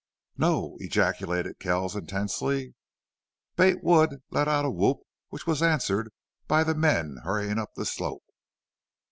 "No!" ejaculated Kells, intensely. Bate Wood let out a whoop which was answered by the men hurrying up the slope.